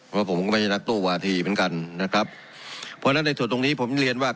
เพราะผมก็ไม่ใช่นักตู้วาทีเหมือนกันนะครับเพราะฉะนั้นในส่วนตรงนี้ผมเรียนว่า